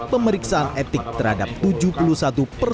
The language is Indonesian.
pemeriksaan etik terhadap tujuh puluh satu persen